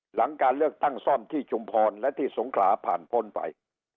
หลังการเลือกตั้งซ่อมที่ชุมพรและที่สงขลาผ่านพ้นไป